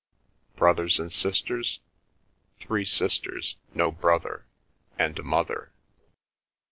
"Brothers and sisters?" "Three sisters, no brother, and a mother."